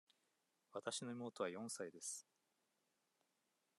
わたしの妹は四歳です。